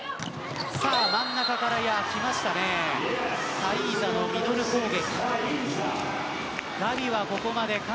真ん中からきましたタイーザのミドル攻撃。